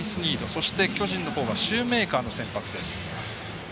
そして、巨人のほうがシューメーカーの先発。